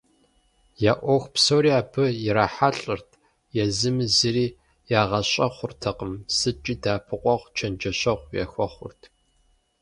Я ӏуэху псори абы ирахьэлӏэрт, езыми зыри игъэщӏэхъуртэкъым, сыткӏи дэӏэпыкъуэгъу, чэнджэщэгъу яхуэхъурт.